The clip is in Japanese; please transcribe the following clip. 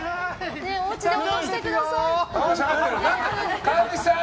お家で落としてください。